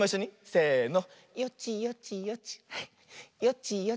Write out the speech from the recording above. せの。